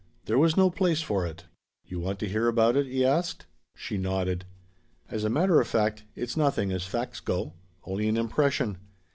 There was no place for it. "You want to hear about it?" he asked. She nodded. "As a matter of fact, it's nothing, as facts go. Only an impression.